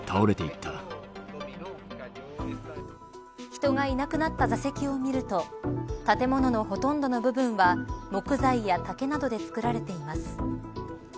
人がいなくなった座席を見ると建物のほとんどの部分は木材や竹などで造られています。